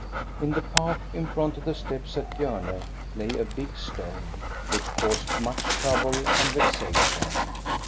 In the path in front of the steps at Bjorne lay a big stone, which caused much trouble and vexation.